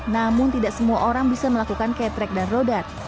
namun tidak semua orang bisa melakukan ketreck dan rodat